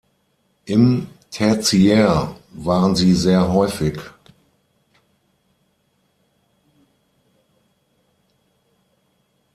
Im Tertiär waren sie sehr häufig.